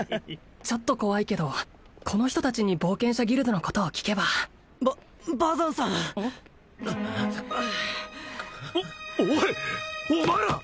ちょっと怖いけどこの人達に冒険者ギルドのことを聞けば・ババザンさんおおいお前ら！